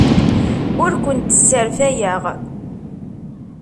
Ur kent-sserfayeɣ.